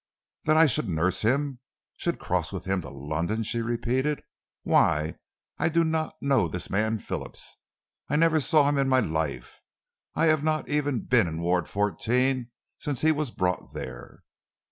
"That I should nurse him should cross with him to London?" she repeated. "Why, I do not know this man Phillips. I never saw him in my life! I have not even been in Ward Fourteen since he was brought there."